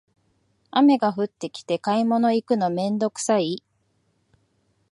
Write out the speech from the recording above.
雨が降ってきて買い物行くのめんどくさい